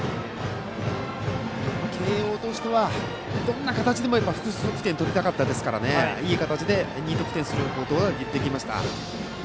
慶応としてはどんな形でもいいから複数得点が取りたかったですからいい形で２得点することができました。